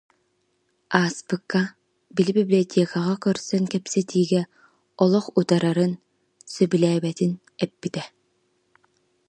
Ааспыкка, били библиотекаҕа көрсөн кэпсэтиигэ олох утарарын, сөбүлээбэтин эппитэ